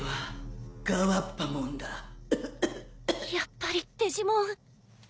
やっぱりデジモン。